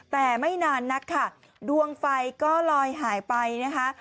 แต่ไม่นานนักค่ะดวงไฟก็ลอยหายไปนะคะ